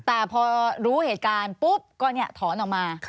แต่พอรู้เหตุการณ์ปุ๊บก็ถอนออกมา